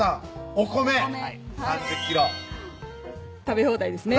お米３０ｋｇ食べ放題ですね